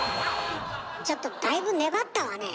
ちょっとだいぶ粘ったわねえ。